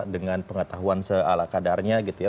dengan pengetahuan seala kadarnya gitu ya